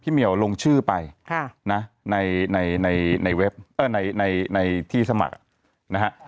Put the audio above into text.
พี่เมียวลงชื่อไปค่ะนะในในในเว็บเอ่อในในในที่สมัครนะฮะ